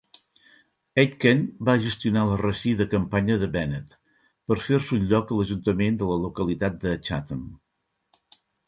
Aitken va gestionar la reeixida campanya de Bennett per fer-se un lloc a l'ajuntament de la localitat de Chatham.